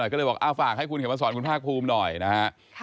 ก็เลยบอกฝากให้คุณเขียนมาสอนคุณภาคภูมิหน่อยนะฮะ